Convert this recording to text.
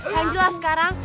yang jelas sekarang